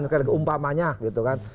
sekali lagi umpamanya gitu kan